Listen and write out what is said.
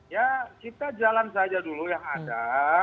ya kita jalan saja dulu yang ada